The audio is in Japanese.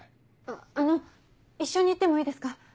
あっあの一緒に行ってもいいですか？